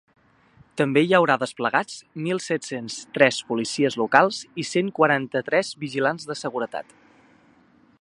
També hi haurà desplegats mil set-cents tres policies locals i cent quaranta-tres vigilants de seguretat.